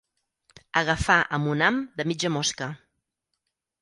Agafar amb un ham de mitja mosca.